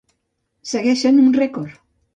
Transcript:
Segueix essent un rècord.